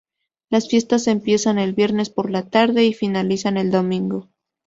Las fiestas empiezan el viernes por la tarde y finalizan el domingo.